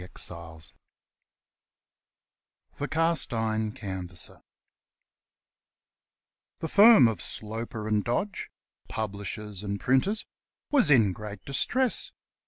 19 The Cast iron Canvasser THE firm of Sloper and Dodge, publishers and printers, was in great distress.